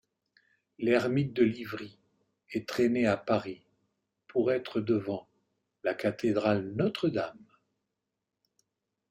L'ermite de Livry, est traîné à Paris pour être devant la cathédrale Notre-Dame.